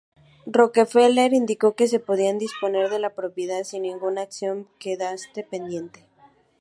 Rockefeller indicó que se podría disponer de la propiedad si ninguna acción quedase pendiente.